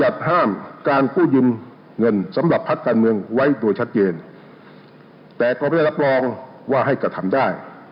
แต่ก็ไม่ได้รับรองว่าให้กระทำได้